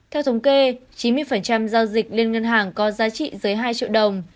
theo thống kê chín mươi giao dịch liên ngân hàng có giá trị dưới hai triệu đồng